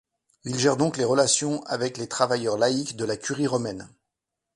Il gère donc les relations avec les travailleurs laïcs de la curie romaine.